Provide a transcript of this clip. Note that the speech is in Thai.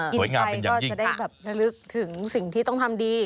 กินไปก็จะได้แบบระลึกถึงสิ่งที่ต้องทำดี